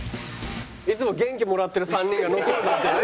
いつも元気もらってる３人が残るなんてね。